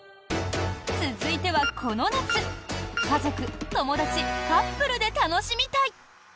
続いてはこの夏、家族、友達カップルで楽しみたい！